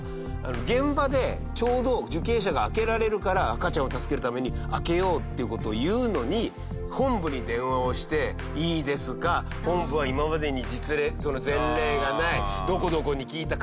現場でちょうど受刑者が開けられるから赤ちゃんを助けるために開けようという事を言うのに本部に電話をして「いいですか？」本部は「今までに実例前例がない」「どこどこに聞いた」。